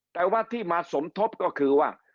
แต่ว่าที่มาสมทบก็คือว่า